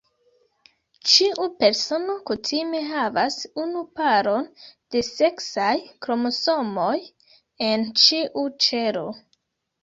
Ĉiu persono kutime havas unu paron de seksaj kromosomoj en ĉiu ĉelo.